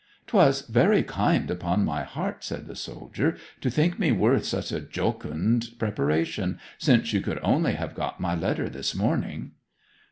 ''Twas very kind, upon my heart,' said the soldier, 'to think me worth such a jocund preparation, since you could only have got my letter this morning.'